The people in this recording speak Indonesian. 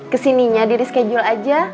kesininya direschedule aja